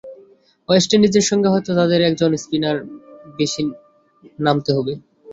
West ইন্ডিজের সঙ্গে হয়তো তাদের একজন স্পিনার বেশি নিয়ে নামতে হবে।